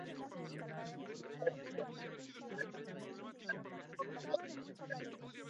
En esos años los padres de Rosanna se divorciaron.